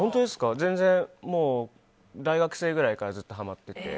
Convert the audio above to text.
全然、大学生くらいからずっとハマってて。